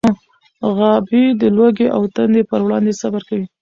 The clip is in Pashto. غابي د لوږې او تندې پر وړاندې صبر کوي.